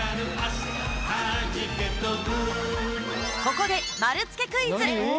ここで丸つけクイズ。